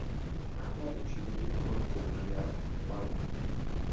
Náklady činily okolo dvou miliard dolarů.